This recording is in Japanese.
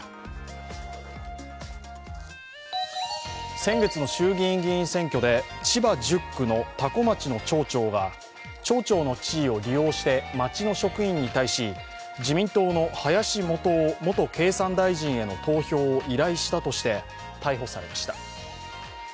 先月の衆議院議員選挙で千葉１０区の多古町の町長が町長の地位を利用して町の職員に対し自民党の林幹雄元経産大臣への投票を依頼したとして逮捕されました。